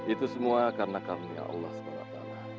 itu semua karena karunia allah swt